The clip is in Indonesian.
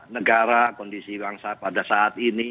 negara kondisi bangsa pada saat ini